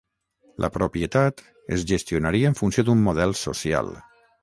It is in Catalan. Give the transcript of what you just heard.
La propietat es gestionaria en funció d'un model social.